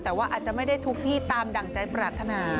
แต่ว่าอาจจะไม่ได้ทุกที่ตามดั่งใจปรารถนา